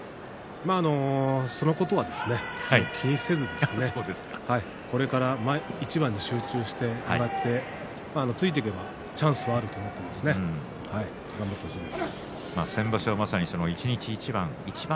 そのことは気にせずにこれから一番に集中してもらってついていけばチャンスはあると思って頑張ってほしいです。